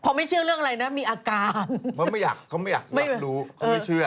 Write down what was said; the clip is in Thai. เขาไม่เชื่อเรื่องอะไรนะมีอาการเขาไม่อยากรับรู้เขาไม่เชื่อ